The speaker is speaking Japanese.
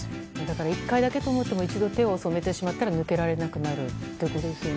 １回だけと思っても一度手を染めてしまったら抜けられなくなるということですね。